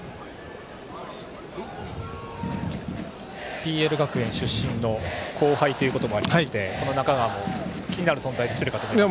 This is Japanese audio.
ＰＬ学園出身の後輩ということもありまして中川も気になる存在の１人かと思います。